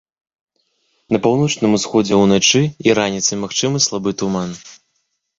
На паўночным усходзе ўначы і раніцай магчымы слабы туман.